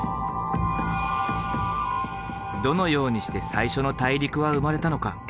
どのようにして最初の大陸は生まれたのか？